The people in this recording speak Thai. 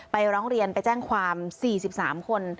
ไปร้องเรียนไปแจ้งความสี่สิบสามคน